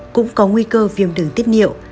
cũng có nguy cơ viêm đường tiết niệu